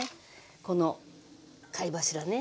この貝柱ね。